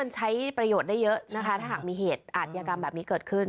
มันใช้ประโยชน์ได้เยอะนะคะถ้าหากมีเหตุอาทยากรรมแบบนี้เกิดขึ้น